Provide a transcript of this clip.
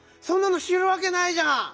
そんなのしるわけないじゃん！